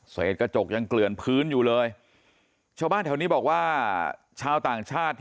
เศษกระจกยังเกลือนพื้นอยู่เลยชาวบ้านแถวนี้บอกว่า